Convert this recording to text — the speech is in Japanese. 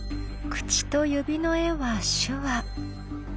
口と指の絵は手話。